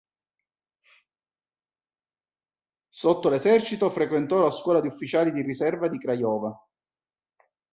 Sotto l'esercito frequentò la scuola di ufficiali di riserva di Craiova.